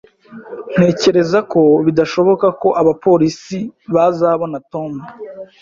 Ntekereza ko bidashoboka ko abapolisi bazabona Tom